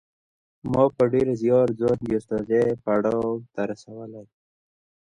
ما په ډېر زیار ځان د استادۍ پړاو ته رسولی